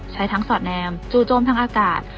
ใช้ทั้งสอดแนมจู่โจมทั้งอากาศ